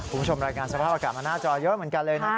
คุณผู้ชมรายงานสภาพอากาศมาหน้าจอเยอะเหมือนกันเลยนะครับ